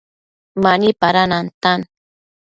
Mani pada nantan